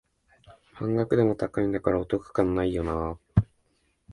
半額でも高いんだからお得感ないよなあ